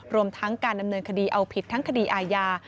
รวมทั้งการดำเนินคดีเอาผิดทั้งคดีอาญา